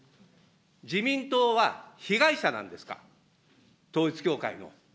自民党は、被害者なんですか、統一教会の。